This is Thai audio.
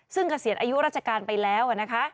ซึ่งกระเสียนอายุราชการไปแล้ว